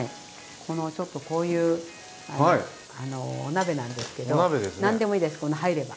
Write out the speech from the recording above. このこういうお鍋なんですけど何でもいいです入れば。